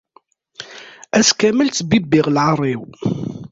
Ass kamel ttbibbiɣ lɛar-iw.